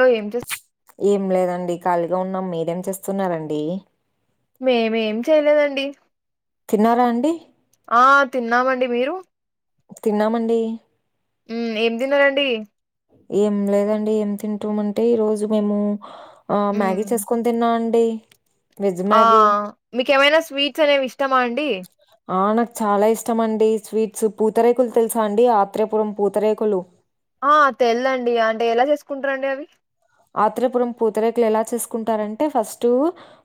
ఓ ఏం చేస్ ఏం లేదండి ఖాళీగా ఉన్నాం మీరేం చేస్తున్నారండి మేమేం చేయలేదండి తిన్నారా అండి ఆ తిన్నామండి మీరు తిన్నామండి ఊమ్ ఎం తిన్నరండి ఏం లేదండి ఏం తింటాం అంటే ఈ రోజు మేము ఆ హ్మ్ మ్యాగీ చేసుకుని తిన్న అండి వెజ్ ఆ మ్యాగీ మీకేమైనా స్వీట్స్ అనేవి ఇష్టమా అండి ఆ నాకు చాలా ఇష్టమండి స్వీట్స్ పూతరేకులు తెలుసా అండి ఆత్రేపురం పూతరేకులు ఆ తెల్దండి అంటే ఎలా చేసుకుంటారండి అవి ఆత్రేయపురం పూతరేకులు ఎలా చేసుకుంటారంటే ఫస్ట్ ఊ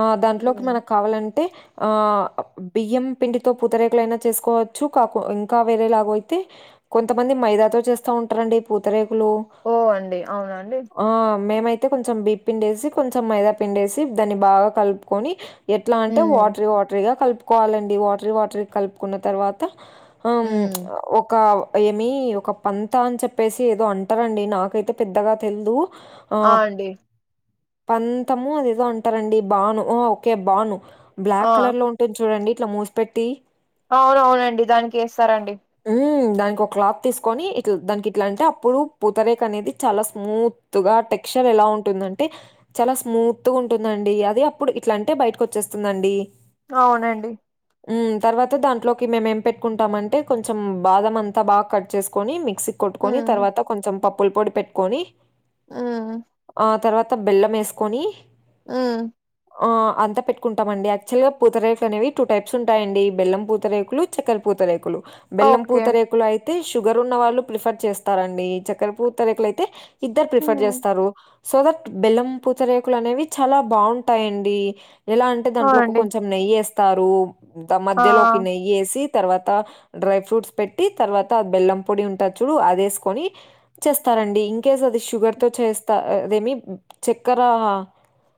ఆ దాంట్లోకి హ్మ్ మనకు కావాలంటే ఆ బియ్యం పిండితో పూతరేకలైనా చేసుకోవచ్చు కాకు ఇంకా వేరేలాగో అయితే కొంతమంది మైదాతో చేస్తా ఉంటారండి పూతరేకులు ఓ అండి అవున అండి ఆ మేమైతే కొంచెం బి పిండేసి కొంచెం మైదా పిండేసి దాన్ని బాగా కలుపుకొని ఎట్లా అంటే హ్మ్ వాటర వాటరగా కలుపుకోవాలండి వాటర వాటర్ యి కలుపుకున్న తర్వాత ఆమ్ హ్మ్ ప్చ్ ఒక ఏమి ఒక పంత అని చెప్పేసి ఏదో అంటారండి నాకైతే పెద్దగా తెలిదు ఆ పంతము అదేదో అంటారండి బాను ఆ ఓకే బాను ఆ బ్లాక్ కలర్ లో ఉంటుంది చూడండి ఇట్లా మూసిపెట్టి అవునవునండి దానికి వేస్తారండి ఊ దానికి ఒక క్లాత్ తీసుకొని ఇట్ల దానికి ఇట్లా అంటే అప్పుడు పుతరేక్ అనేది చాలా స్మూత్ తుగా టెక్స్చర్ ఎలా ఉంటుందంటే చాలా స్మూత్గ ఉంటుందండి అది అప్పుడు ఇట్లా అంటే బయటకు వచ్చేస్తుందండి అవునండి ఉమ్ తర్వాత దాంట్లోకి మేము ఏం పెట్టుకుంటాము అంటే కొంచెం బాదం అంతా బాగా కట్ చేసుకొని మేం సీక్ కొట్టుకొన్ని హ్మ్ తర్వాత కొంచెం పప్పుల పొడి పెట్టుకొని ఆ ఆ తర్వాత బెల్లం వేసుకొని ఉ ఆ అంత పెట్టుకుంటామండి ఆక్చువల్ గా పూతరేకులు అనేవి టూ టైప్స్ ఉంటాయ్ అండి బెల్లం పూతరేకులు చక్కర పూత రేకులు బెల్లం ఓకే పూతరేకులు అయితే షుగర్ ఉన్న వాళ్ళు ప్రిఫర్ చేస్తారండి చక్కెర పూతరేకులు అయితే ఇద్దర్ ప్రిఫర్ హ్మ్ చేస్తారు సోదట్ బెల్లం పూతరేకులు అనేవి చాలా బాగుంటాయ్ అండి ఎలా అంటే ఆ దాంట్లోకి అండి కొంచెం నెయ్యి వేస్తారు ఆ మధ్యలోకి నెయ్యి వేసి తర్వాత డ్రై ఫ్రూట్స్ పెట్టి తర్వాత బెల్లం పొడి ఉంటాది చూడు అది వేసుకొని చేస్తారండి ఇంకేస్ అది షుగర్ తో చేస్ త అదేమి చక్కెర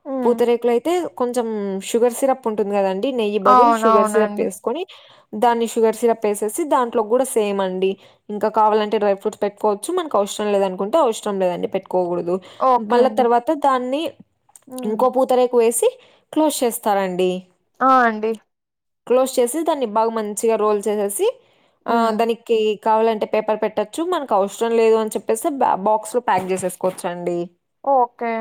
హ్మ్ పూతరేకులో అయితే కొంచెం షుగర్ సిరప్ ఉంటుంది కదండి నెయ్యి బదులు షుగర్ సిరప్ అవునవునండి వేసుకొని దాన్ని షుగర్ సిరప్ వేసేసి దాంట్లో కూడ సేమ్ అండి ఇంక కావాలంటే డై ఫ్రూట్స్ పెట్టుకోవచ్చు మనకు అవసరం లేదు అనుకుంటే అవసరం లేదండి పెట్టుకోకూడదు ఓకే బళ్ల అండి. తర్వాత్ టే దాన్ని హ్మ్ ఇంకో పూతరేకు వేసి క్లోజ్ చేస్తారండి ఆ అండి క్లోజ్ చేసి దాన్ని బాగ మంచిగా రోల్ చేసేసి ఆ హ్మ్ దానికి కావాలంటే పేపర్ పెట్టోచ్చు మనకు అవసరం లేదు అని చెప్పేస్తె బాక్స్ లో ప్యాక్ చేసేసుకోవచ్చు అండి ఓకే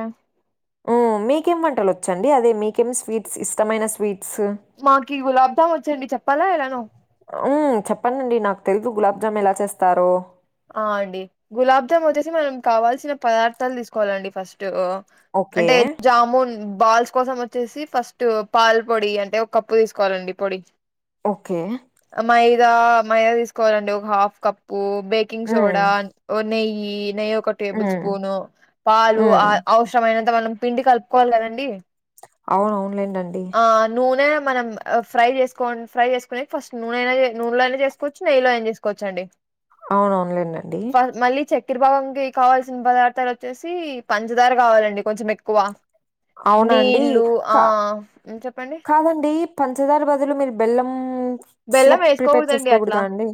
ఓ మీకేం వంటలు వచ్చండి అదే మీకేం స్వీట్స్ ఇష్టమైన స్వీట్స్ కి గులాబ్ జామ్ వచ్చండి చెప్పాలా ఎలానో ఉమ్మ్ చెప్పండి అండి నాకు తెలీదు గులాబ్ జామ్ ఎలా చేస్తారో ఆ అండి గులాబ్ జామ్ వచ్చేసి మనం కావాల్సిన పదార్థాలు తీసుకోవాలండి ఫస్ ట్ ఓకే అంటే జాముూన్ బాల్స్ కోసం వచ్చేసి ఫస్ట్ పాల్ పొడి అంటే ఒక కప్పు తీసుకోవాలండి పొడి ఓకే అ మైదా మైదా తీసుకోవాలండి ఒక half cup baking um, soda ఓ నెయ్యి నెయ్య ఒక టేబుల్ ఉమ్, స్పూను పాలు ఉమ్. అవసరమైనంత మనం పిండి కలుపుకోవాలి కదండి అవున అవునులేండి అండి ఆ నూనె మనం ఫ్రై చేసుకో ఫ్రై చేసుకునే ఫస్ట్ నూనెైనా నూనెలోనయినా చేసుకోవచ్చు నెయ్యిలో అయినా చేసుకో కోచు అండి అవును ఆన్లైన్ అండి ఫ మళ్ళీ చక్కర పొంగలి కి కావాల్సిన పదార్థాలు వచ్చేసి పంచదార కావాలండి కొంచెం ఎక్కువ అవునండి నీళ్లు ఆ ఏం చెప్పండి అదండి పంచదార బదులు మీరు బెల్లం బెల్లం సిరప్ ప్రిపేర్ వేసుకోగూడదండి అట్లా చేసుకోకూడదా అండి?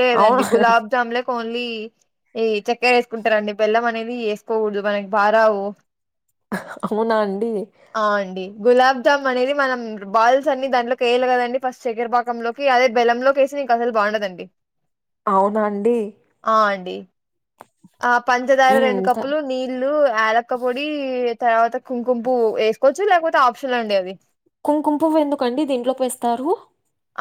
లేదండి అవునా గులాబ్ జామ్ లకి ఓన్లీ ఈ చక్కె వేసుకుంటారంండి బెల్లం అనేది వేసుకోకూడదు మనకి బారావు కూనా అండి ఆ అండి గులాబ్జామ్ అనేది మనం బాల్స్ అన్ని దాంట్లోకి వేయాలి కదండి ఫస్ట్ చక్కరపాక చక్కెర పాకంలో అదే బెలంలో లోకేసి నీకు అసలు బాగుండదండి అవునా అండి? ఆ అండి ఆ పంచదార హ్మ్. రెండు త కప్పులు నీ ల్లు యాలక్క పొడి తర్వాత కుంకుం పువ్వు వేసుకోవచ్చు లేకపోతే ఆప్షన్ అండి అది కుంకుం పువ్వు ఎందుకండి దీంట్లోకి వేస్తారు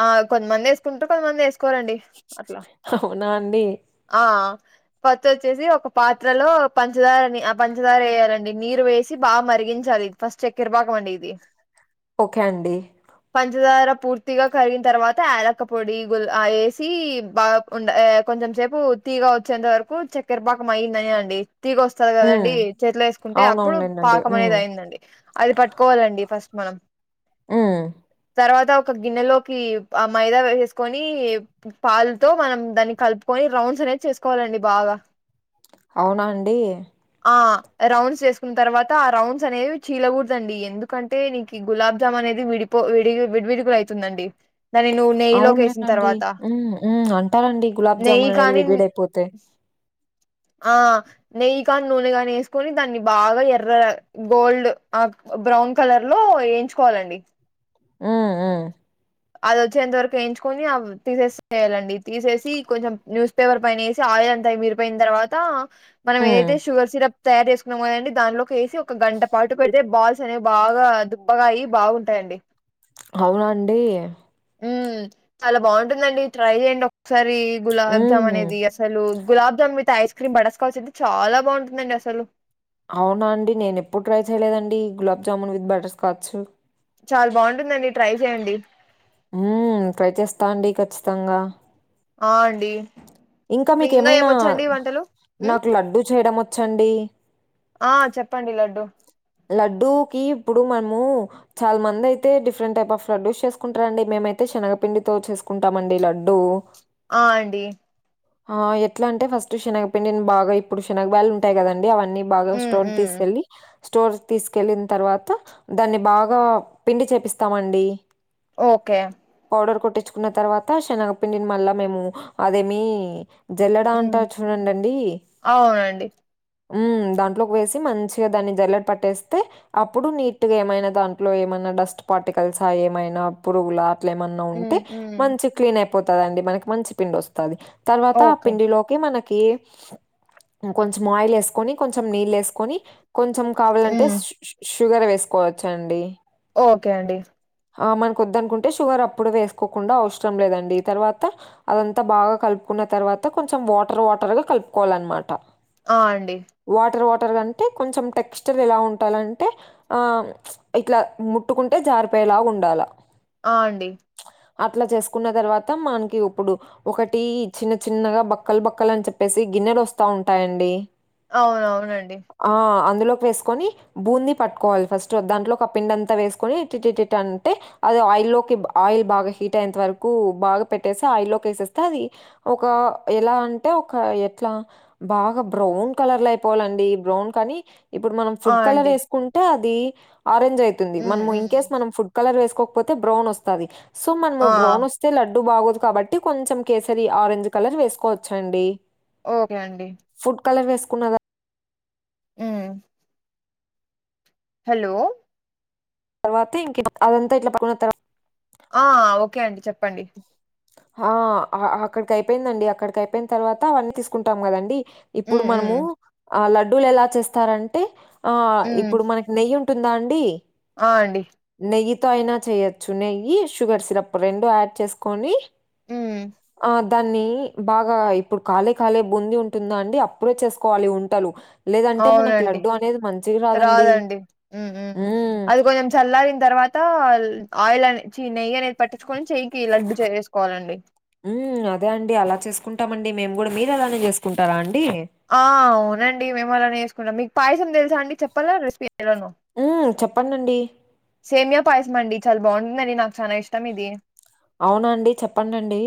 ఆ కొంతమంది వేసుకుంటారు కొంతమంది వేసుకోరండి అట్లా అవునా అండి ఆ [unintelligible] పత్తి వచ్చేసి ఒక పాత్రలో పంచదారని పంచదార వేయాలండి నీరు వేసి బాగా మరిగించాలి ఇది ఫస్ట్ చెక్కర పాకం మండి ఇది ఓకే అండి పంచదార పూర్తి పూర్తిగా కరిగిన తర్వాత యాలక్క పొడి గుల్ వేసి బాగా ఉండ కొంచెం సేపు తీయగ వచ్చేంత వరకు చక్కెరపాకం అయిందని అండి తీగ వాస్ వస్తది హ్మ్. కదండి చేతిలో వేసుకుంటే అప్పుడు అవునవునులేండండి. పాకం హ్మ్. అనేది అయిందండి అది పట్టుకోవాలండి ఫస్ట్ మనం ఉం తర్వాత ఒక గిన్నెలోకి ఆ మైదా వేసేసుకొని పాలుతో మనం దాన్ని కలుపుకొని రౌండ్స్ అనేది చేసుకోవాలండి బాగా అవునా అండి ఆ రౌండ్స్ చేసుకున్న తర్వాత ఆ రౌండ్స్ అనేవి చీలకూడదండి ఎందుకంటే టే నీకు గులాబ్ జామున్ అనేది విడిపో వి విడివిడిగా అయితుందండి దాని ను అవునులేనండి ఉం ఉం అంటారండి నెయ్యి గులాబ్జామున్ అనేది కాని విడివిడి అయిపోతే ఆ నెయ్యి కాని నూనె కానీ వేసుకొని దాన్ని బాగా ఎర్ర గోల్డ్ ఆ బ్రౌన్ కలర్ లో వేయించుకోవాలండి ఉం ఉం అది వచ్చేంత వరకు వేయించుకొని తీసేసి చేయాలండి తీసేసి కొంచెం న్యూస్ పేపర్ పైన వేసి ఆయిల్ అంతా ఇమిరిపోయిన తర్వాత మనం హ్మ్. ఏదైతే షుగర్ సిరప్ తయారు చేసుకున్నాముదండి దానిలోకి వేసి ఒక గంట పాటు పెడితే బాల్ బాల్స్ అనే బాగా దుబ్బగా అయి బాగుంటాయండి అవునా అండి ఉం చాలా బాగుంటుందండి ట్రై చేయండి ఒకసారి గులాబ్ జామ్ హ్మ్. అనేది అసలు gulab jamun with ice cream butterscotch అయితే చాలా బాగుంటుందండి అసలు అవునా అండి నేను ఎప్పుడు ట్రై చేయలేదండి గులాబ్ జామున్ విత్ బటర్స్కాచ్ చాలా బాగుంటుందండి ట్రై చేయండి ఉం ట్రై చేస్తా అండి ఖచ్చితంగా ఆ అండి ఇంకా మీక మీకు ఏమైనా ఏమొచ్చండి వంటలు ఉమ్ నాకు లడ్డూ చేయడం వచ్చండి ఆ చెప్పండి లడ్డు లడ్డూకిి ఇప్పుడు మనము చాలా మంది అయితే డిఫరెంట్ టైప్ ఆఫ్ లడ్డ్యూస్ చేసుకుంటార అండి మేమైతే శనగపిండితో చేసుకుంటామండి లడ్డూ ఆ అండి ఆ ఎట్లా అంటే ఫస్ట్ శనగ పిండిని బాగా ఇప్పుడు శనగ బీడలు ఉంటాయి కదండి అవ అన్నీ బాగా ఉమ్ స్టోర్ ఉమ్ తీసుకెల్లి స్టోర్స్ తీసుకెళ్ళిన తర్వాత దాన్ని బాగా పిండి చేపిస్తామండి ఓకే పౌడర్ కొట్టించుకున్న తర్వాత శనగపిండిని మళ్ళా మేము అదేమి జల్లెడా హ్మ్. అంటారు చూడండండి అవునండి. ఉమ్ దాంట్లోకి వేసి మంచిగా దాన్ని జల్లట్ పట్టేస్తే అప్పుడు నీట్గా ఏమైనా దాంట్లో ఏమైనా డస్ట్ పార్టికల్స్ ఏమైనా పురుగులా ట్ల ఏమన్నా ఉంటే హ్మ్. హ్మ్. మంచి క్లీన్ అయిపోతందండి మనకి మంచి పిండి వస్తది తర్వాత ఆ ఓకే. పిండిలోకి మన కి కొంచెం ఆయిల్ ఏస్కొని కొంచెం నీల్ ఏస్కొని కొంచెం కావాలంటే హ్మ్. స్ షుగర్ వేసుకోవచ్చు అండి ఓకే అండి. ఆ మనకు వొద్దనుకుంటే షుగర్ అప్పుడు వేసుకోకుండా అవసరం లేదండి తర్వాత అదంతా బాగా కలుపుకున్న తర్వాత కొంచెం వాటర్ వాటర్గా కలుపుకోవాలన్మాట ఆ అండి వాటర్ వాటర్ గా అంటే కొంచెం టెక్స్టర్ ఎలా ఉండాలంటే ఆ ప్చ్ ఇట్లా ముట్టుకుంటే జారిపోయేలాగ ఉండాల ఆ అండి ప్చ్ అట్లా చేసుకున్న తర్వాత మనకి ఇప్పుడు ఒకటి చిన్న చిన్నగా బక్కలు బక్కల్ అని చెప్పేసి గిన్నెలు వస్తా ఉంటాయండి అవునవునండి ఆ అందులోకి వేస్కొని బూంది పట్కోవాలి ఫస్ట్ దాంట్లో ఒక పిండంతా వేసుకొని ఇటిటి అంటే అది ఆయిల్ లోకి ఆయిల్ బాగా హీట్ అయేంత వరకు బాగా పెట్టేసి ఆయిల్ లోకి వేసేస్తే అది ఒక ఎలా అంటే ఒక ఎట్లా బాగా బ్రౌన్ కలర్ లో ఐపోవాలండి బ్రౌన్ కానీ ఇప్పుడు మనం ఆ! ఫుడ్ కలర్ అండి. వేసుకుంటే అది ఆరెంజ్ అయితుంది హ్మ్. మనం ఇన్ హ్మ్. కేస్ మనం ఫుడ్ కలర్ వేసుకోకపోతే బ్రౌన్ వస్తది సో మనము ఆ! బ్రౌన్ వస్ స్తే లడ్డు బాగోదు కాబట్టి కొంచెం కేసరి ఆరెంజ్ కలర్ వేసుకోవచ్చు అండి ఓకే అండి ఫుడ్ కలర్ వేసుకున్నదా ఉమ్ హలో తర్వాత ఇంక అదంతా ఇట్లా పడుకున్న తర్వా ఆ ఓకే అండి చెప్పండి హా అక్కడికి అయిపోయిందండి అక్కడికి అయిపోయిన తర్వాత అవన్నీ తీసుకుంటాం కదండీ ఇప్పుడు హ్మ్. హ్మ్. మనము ఆ లడ్డూలు ఎలా చేస్తారంటే ఆ హ్మ్. ఇప్పుడు మన నెయ్యి ఉంటుందా అండి ఆ అండి నెయ్యితో ఐనా చేయొచ్చు నెయ్యి షుగర్ సిరప్ రెండు యాడ్ చేసుకొని హ్మ్. ఆ దాన్ని బాగా ఇప్పుడు కాలే కాలే బూంది ఉంటుందా అండి అప్పుడే చేసుకోవాలి ఉంటలు లేదంటే మనకు అవునండి. లడ్డు అనేది మంచిగ రాదండి హ్మ్. హ్మ్. ఉమ్ అది కొంచెం చల్లారిన తర్వాత ఆయిల్ అనే చీ నెయ్యి అనేది పట్టించుకొని చెయ్యికి లడ్డు చేేసేసుకోవాలండి ఉమ్ అదే అండి అలా చేసుకుంటామ అండి మేము కూడా మీరు అలానే చేసుకుంటారా అండి ఆ అవునండి మేము అలానే వేసుకుంటాం మీకు పాయసం తెలుసా అండి చెప్పాగలరా రెసిపీలను ఉమ్ చెప్పండండి సేమియా పాయసమండి చాలా బాగుంటుందని నాకు చానా ఇష్టం ఇది అవునా అండి చెప్పండండి.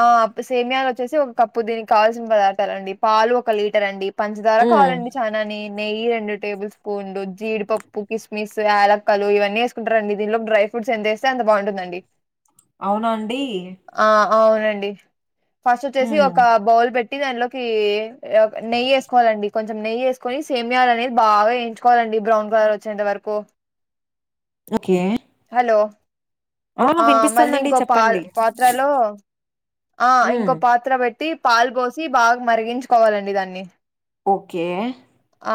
ఆ ప్ సేమయాలు వచ్చేసి ఒక కప్పు దీనికి కావల్సిన పదార్థాలండి పాలు ఒక లీటర్ అండి పంచదార హ్మ్. కావాలండి చానానే నెయ్యి రెండు టేబుల్ స్పూన్లు జీడిపప్పు కిస్మిస్ యలక్కలు ఇవన్ నేసుకుంటరండి దీంలో డ్రై ఫ్రూట్స్ ఎంతేస్తే అ బాగుంటుందండి అవునా అండీ ఆ అవునండి ఫస్ట్ ఒచ్చేసి హ్మ్. ఒక బౌల్ పెట్టి దాన్లోకి ఏ ఒక్ నెయ్యి ఏసుకోవాలండి కొంచెం నెయ్యి ఏసుకొని సేమియాలు అనేది బాగ ఏయించుకోవాలండి బ్రౌన్ కలర్ ఒచ్చేంత వరకు ఒకే హలో ఆ మళ్ళీ వినిపిస్తోందండి ఇంకో పా చెప్పండి. పాత్రలో ఆ హ్మ్. ఇంకో పాత్ర బెట్టి పాల్ బోసి బాగ్ మరిగించుకోవాలండి దాన్ని ఓకే ఆ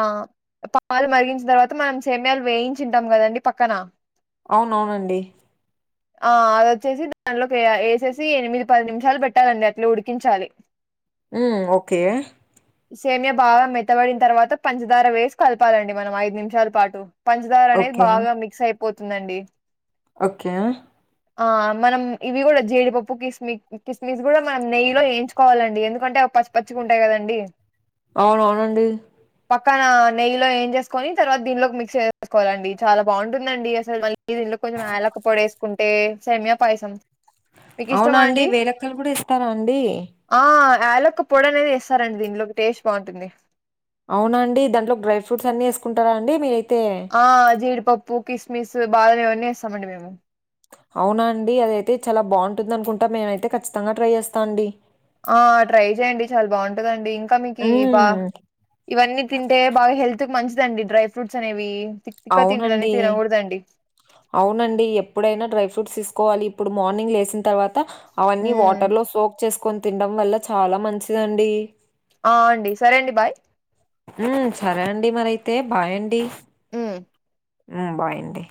పాల్ మరిగించి తర్వాత మనం సేమియాలు వేయించింటం గదండి పక్కన అవునవునండి ఆ అదొచ్చేసి దాంట్లోకి వేయా ఏసేసీ ఎనిమిది పది నిమిషాలు పెట్టాలండి అట్ల ఉడికించాలి ఉ ఓకే సేమ్యా బాగ మెత్తబడిన్ తర్వాత పంచదార వేసి కలపాలండి మనం ఐదు నిమిషాల్ పాటు పంచదార అనేది ఓకే. బాగా మిక్స్ అయిపోతుందండి ఓకే ఆ మనం ఇవి గుడా జేడిపప్పు కిస్మి కిస్మిస్ గుడా మనం నెయ్యి లో ఏయించుకోవాలండి ఎందుకంటే ఆ పచ్చి పచ్చిగ ఉంటయ్ గదండీ అవున్ అవునండి పక్కనా నెయ్యిలో ఏంజేసుకొని తర్వా దీనిలో మిక్స్ ఏసుకోవాలండి చాల బాగుంటుందండి అసల్ మళ్ ఈ దీంట్లో కొంచెం యాలక్క పొడి ఏసుకుంటే సెమియా పాయసం అవునా అండి వేరెక్కల్ గుడా ఏస్తరా అండీ ఆ ఆలొక్క పొడి అనేది ఏస్సారండి దీనిలోకి టేస్ట్ బాగుంటుంది అవునా అండి దాంట్లో డ్రై ఫ్రూట్స్ అన్నీ ఏసుకుంటారా అండి మీరైతే ఆ జీడిపప్పు కిస్మిస్స్ బాదం ఇవన్నీ ఏస్సామండి మేము అవునా అండి అదైతే చాలా బాగుంటుంది అనుకుంటా మేమైతే ఖచ్చితంగా ట్రై ఏస్తా అండి ఆ ట్రై చేయండి చాల బా ఉంటదండీ కమికీ బా హ్మ్. ఇవన్నీ తింటే బాగ హెల్త్ కు మంచిదండి డ్రై ఫ్రూట్స్ అనేవీ ఇక్క తిండిలని అవునండి. తినగూడదండి అవునండి ఎప్పుడైనా డ్రై ఫ్రూట్స్ ఈసుకోవాలి ఇప్పుడు మార్నింగ్ లేసిన తర్వాత అవన్నీ హ్మ్. వాటర్ లో సోక్ చేసుకొన్ తిండం వల్ల చాల మంచిదండీ ఆ అండి సరే అండి బాయ్ ఊమ్ సరే అండి మరైతే బాయ్ అండి ఉ అ బాయ్ అండీ